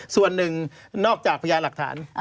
ส่วนหนึ่งนอกจากพยานหลักฐาน